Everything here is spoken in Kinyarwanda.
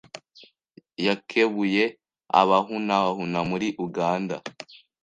Yakebuye abahunahuna muri Uganda